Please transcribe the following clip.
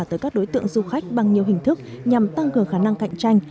tới các đối tượng du khách bằng nhiều hình thức nhằm tăng cường khả năng cạnh tranh